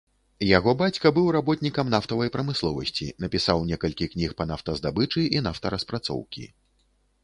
Яго бацька быў работнікам нафтавай прамысловасці, напісаў некалькі кніг па нафтаздабычы і нафтараспрацоўкі.